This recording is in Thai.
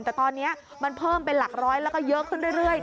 แต่ตอนนี้มันเพิ่มเป็นหลักร้อยแล้วก็เยอะขึ้นเรื่อย